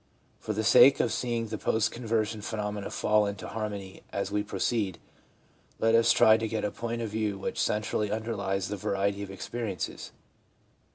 For the sake of seeing the post conversion phenomena fall into har mony as we proceed, let us try to get a point of view which centrally underlies the variety of experiences.